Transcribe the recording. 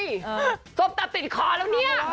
ยกตับติดคอแล้วเนี่ย